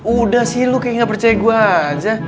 udah sih lo kayak nggak percaya gue aja